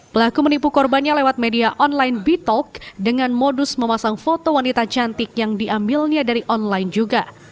pelaku menipu korbannya lewat media online bi talk dengan modus memasang foto wanita cantik yang diambilnya dari online juga